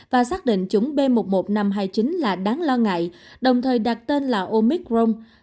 và xác định chủng b một mươi một nghìn năm trăm hai mươi chín là đáng lo ngại đồng thời đặt tên là omicron